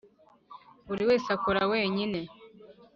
buri wese akora wenyine,